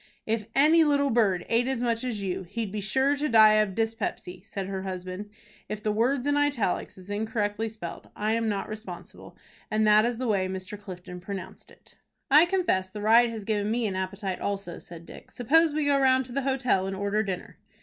"If any little bird ate as much as you, he'd be sure to die of dyspepsy," said her husband. If the word in italics is incorrectly spelled, I am not responsible, as that is the way Mr. Clifton pronounced it. "I confess the ride has given me an appetite also," said Dick. "Suppose we go round to the hotel, and order dinner."